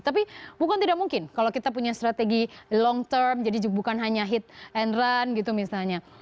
tapi bukan tidak mungkin kalau kita punya strategi long term jadi bukan hanya hit and run gitu misalnya